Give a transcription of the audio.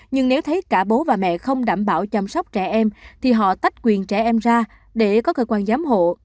nhưng nếu thấy cả bố và mẹ không đảm bảo chăm sóc trẻ em thì họ tách quyền trẻ em ra để có cơ quan giám hộ